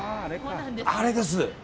あれです。